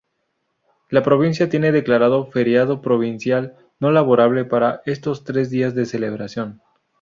La provincia tiene declarado feriado provincial no laborable para estos tres días de celebración.